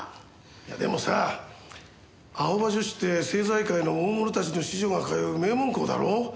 いやでもさあ青葉女子って政財界の大物たちの子女が通う名門校だろ？